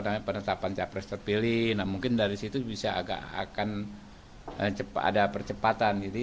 namanya penetapan capres terpilih nah mungkin dari situ bisa agak akan cepat ada percepatan jadi